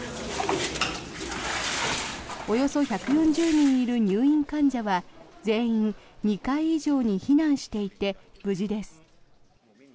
およそ１４０人いる入院患者は全員２階以上に避難していて無事です。